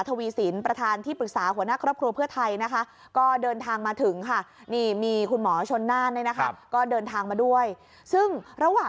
ทีนี้พาคุณผู้ชมไปดูบรรยากาศที่พักเพื่อไทยกันหน่อยละกันค่ะ